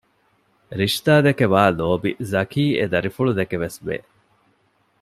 ރިޝްދާ ދެކެ ވާ ލޯބި ޒަކީ އެދަރިފުޅުދެކެވެސް ވެ